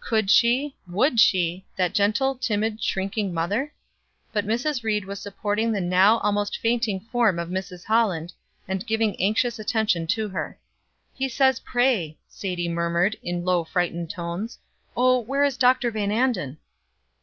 Could she, would she, that gentle, timid, shrinking mother? But Mrs. Ried was supporting the now almost fainting form of Mrs. Holland, and giving anxious attention to her. "He says pray!" Sadie murmured, in low, frightened tones. "Oh, where is Dr. Van Anden?"